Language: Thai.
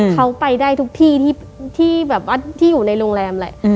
เขาไปได้ทุกที่ที่อยู่ในโรงแรมเลย